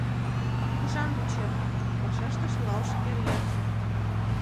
— Кугыжам вучем, — вашештыш илалше пӧръеҥ.